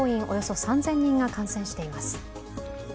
およそ３０００人が感染しています。